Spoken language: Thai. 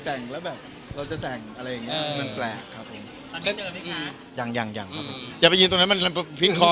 คนเขาชมว่าแบบคืนเจ้าสาวหล่อลองได้อ่านคอมเมนท์ได้เห็นบ้างไหมคะ